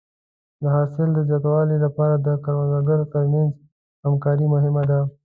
د حاصل د زیاتوالي لپاره د کروندګرو تر منځ همکاري مهمه ده.